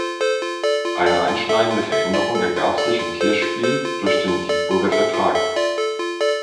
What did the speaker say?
Eine einschneidende Veränderung ergab sich im Kirchspiel durch den Siegburger Vertrag.